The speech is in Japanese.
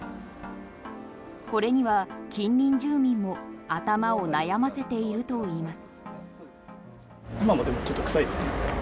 これには近隣住民も頭を悩ませているといいます。